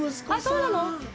そうなの？